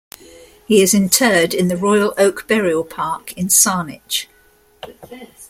He is interred in the Royal Oak Burial Park in Saanich.